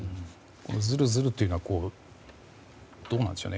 ずるずるというのはどうなんでしょう。